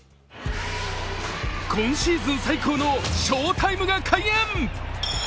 今シーズン最高の翔タイムが開演。